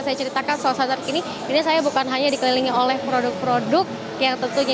saya ceritakan soal soal saat ini ini saya bukan hanya dikelilingi oleh produk produk yang tentunya